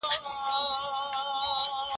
نه يوې خوا ته رهي سول ټول سرونه